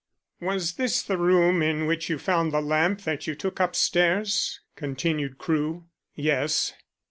"Was this the room in which you found the lamp that you took upstairs?" continued Crewe. "Yes."